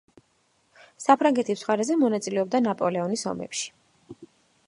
საფრანგეთის მხარეზე მონაწილეობდა ნაპოლეონის ომებში.